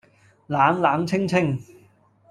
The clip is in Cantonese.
冷冷清清，